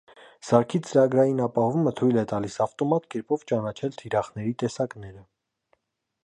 Սարքի ծրագրային ապահովումը թույլ է տալիս ավտոմատ կերպով ճանաչել թիրախների տեսակները։